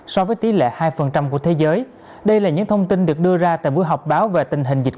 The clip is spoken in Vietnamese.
so với tỷ lệ hai của thế giới đây là những thông tin được đưa ra tại buổi họp báo về tình hình dịch